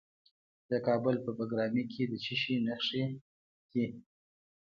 د کابل په بګرامي کې د څه شي نښې دي؟